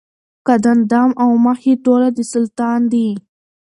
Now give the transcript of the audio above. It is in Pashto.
قد اندام او مخ یې ټوله د سلطان دي